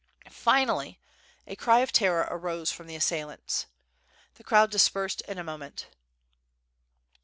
Finally a cry of terror arose from the as sailants. The crowd dispersed in a moment.